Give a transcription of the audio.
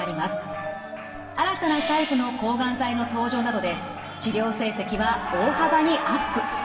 新たなタイプの抗がん剤の登場などで治療成績は大幅にアップ。